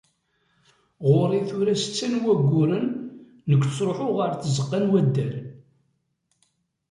Ɣur-i tura setta n wayyuren nekk ttruḥeɣ ɣer tzeqqa n waddal.